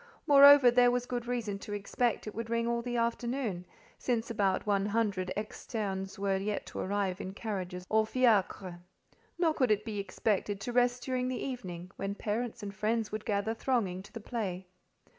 Moreover, there was good reason to expect it would ring all the afternoon, since about one hundred externes were yet to arrive in carriages or fiacres: nor could it be expected to rest during the evening, when parents and friends would gather thronging to the play.